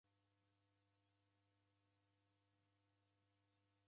Nanywa chai cha mariw'a.